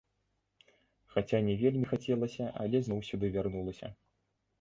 Хаця не вельмі хацелася, але зноў сюды вярнулася.